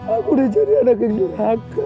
aku udah jadi anak yang jahat